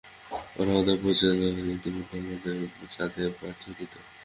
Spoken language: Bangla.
ওরা আমাদের পরিচয় জানলে, ইতোমধ্যেই আমাদের চাঁদে পাঠিয়ে দিতো।